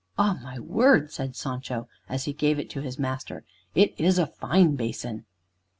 "O' my word," said Sancho, as he gave it to his master, "it is a fine basin."